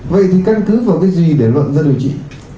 vậy thì căn cứ vào cái gì để luận ra điều trị